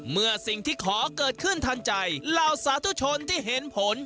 เมื่อสิ่งที่ขอเกิดขึ้นทันใจเหล่าสาธุชนที่เห็นผล